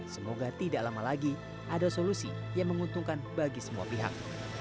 semoga tidak lama lagi ada solusi yang menguntungkan bagi semua pihak